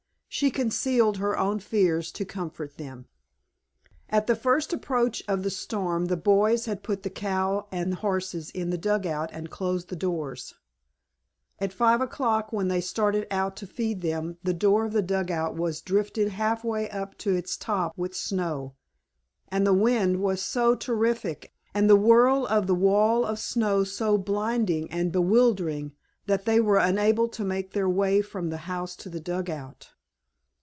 She concealed her own fears to comfort them. At the first approach of the storm the boys had put the cow and horses in the dugout and closed the doors. At five o'clock when they started out to feed them the door of the dugout was drifted half way up to its top with snow, and the wind was so terrific and the whirl of the wall of snow so blinding and bewildering that they were unable to make their way from the house to the dugout.